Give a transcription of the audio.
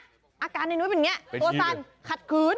อาการในนุ้ยเป็นอย่างนี้ตัวสั่นขัดขืน